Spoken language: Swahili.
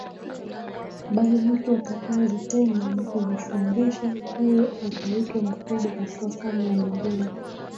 bali mtu atakayezitenda na kuzifundisha huyo ataitwa mkubwa katika ufalme wa mbinguni